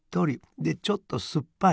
でちょっとすっぱい。